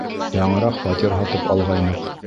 Яңыраҡ фатир һатып алғайныҡ.